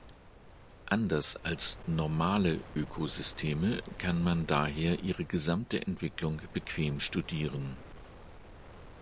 Anders als „normale“ Ökosysteme kann man daher ihre gesamte Entwicklung bequem studieren.